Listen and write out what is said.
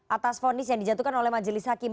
atas fondis yang dijatuhkan oleh majelis hakim pertama